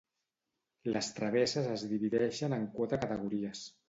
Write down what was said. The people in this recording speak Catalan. Les travesses es divideixen en quatre categories.